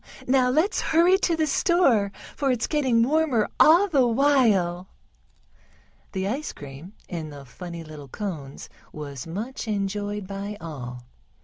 Now let's hurry to the store, for it's getting warmer all the while." The ice cream in the funny little cones was much enjoyed by all.